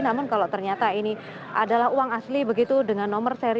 namun kalau ternyata ini adalah uang asli begitu dengan nomor seri